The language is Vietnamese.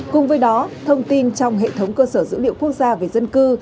cùng với đó thông tin trong hệ thống cơ sở dữ liệu quốc gia về dân cư